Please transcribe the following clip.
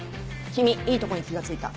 君いいとこに気が付いた。